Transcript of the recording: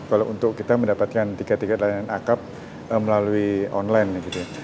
kalau untuk kita mendapatkan tiket tiket layanan akap melalui online gitu ya